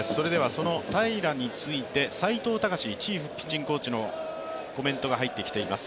その平良について斎藤隆チーフピッチングコーチのコメントが入ってきています。